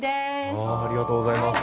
ありがとうございます。